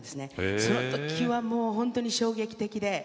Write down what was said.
そのときは本当に衝撃的で。